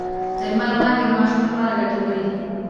د لمر وړانګې د ماشوم لپاره ګټورې دي۔